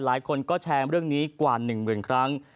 หลายคนก็แชร์เรื่องนี้กว่า๑หมื่นครั้ง